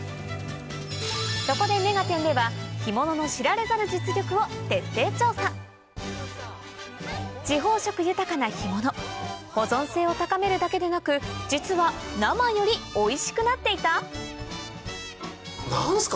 そこで『目がテン！』では知られざる地方色豊かな干物保存性を高めるだけでなく実は生よりおいしくなっていた⁉何すか？